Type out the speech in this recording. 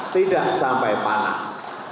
tidak sampai panas